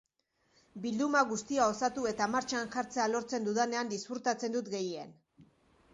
Bilduma guztia osatu eta martxan jartzea lortzen dudanean disfrutatzen dut gehien.